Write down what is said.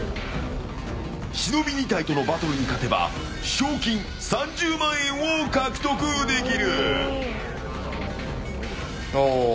忍２体とのバトルに勝てば賞金３０万円を獲得できる。